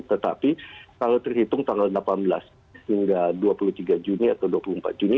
tetapi kalau terhitung tanggal delapan belas hingga dua puluh tiga juni atau dua puluh empat juni